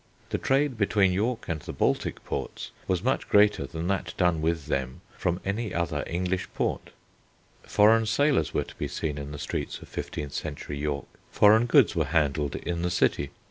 The trade between York and the Baltic ports was much greater than that done with them from any other English port. Foreign sailors were to be seen in the streets of fifteenth century York; foreign goods were handled in the city.